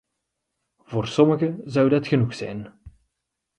Voor sommigen zou dat genoeg zijn.